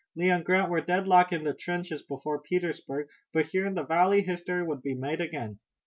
Lee and Grant were deadlocked in the trenches before Petersburg, but here in the valley history would be made again.